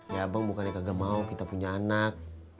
ya bang bukannya kagak mau kita punya anak